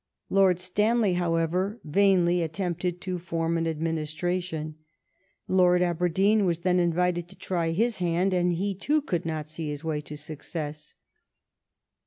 Lord Stanley, however, vainly at tempted to form an administration. Lord Aber deen was then invited to try his hand, and he, too, could not see his way to success.